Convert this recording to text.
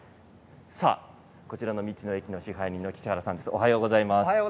こちらの道の駅の支配人の岸原さんです。